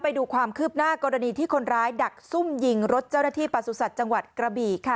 ไปดูความคืบหน้ากรณีที่คนร้ายดักซุ่มยิงรถเจ้าหน้าที่ประสุทธิ์จังหวัดกระบี่ค่ะ